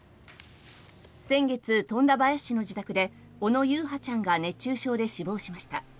先月、富田林市の自宅で小野優陽ちゃんが熱中症で死亡しました。